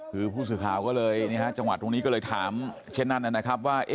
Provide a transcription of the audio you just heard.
คือผู้สื่อข่าวก็เลยจังหวัดตรงนี้ก็เลยถามเช่นนั้นนะครับว่า